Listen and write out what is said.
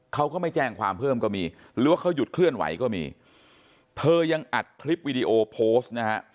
เขาก็ไม่แจ้งความเพิ่มก็มีหรือว่าเขาหยุดเคลื่อนไหวก็มีเธอยังอัดคลิปวิดีโอโพสต์นะฮะ